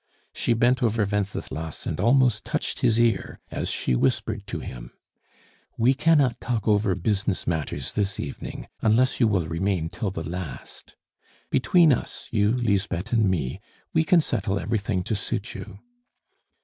She bent over Wenceslas and almost touched his ear as she whispered to him: "We cannot talk over business matters this evening, unless you will remain till the last. Between us you, Lisbeth, and me we can settle everything to suit you."